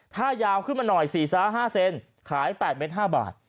ถ้ายาวขึ้นมาหน่อย๔๕เซนขาย๘เมตร๕บาท